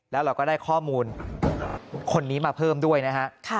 แล้วเราก็ได้ข้อมูลคนนี้มาเพิ่มด้วยนะฮะ